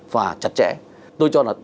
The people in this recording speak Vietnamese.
và chặt chẽ tôi cho là